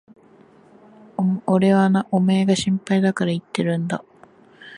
俺はな、おめえが心配だから言ってるんだ。